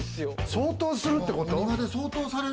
相当するってこと？